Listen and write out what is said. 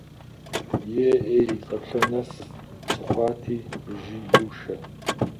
Е-ӏей, къаплъэнэф сыхъуати!- жи Лушэ.